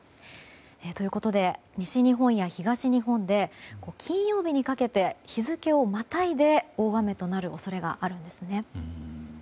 ということで西日本や東日本で金曜日にかけて日付をまたいで大雨となる恐れがあるんですね。